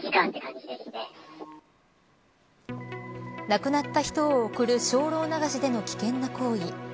亡くなった人を送る精霊流しでの危険な行為。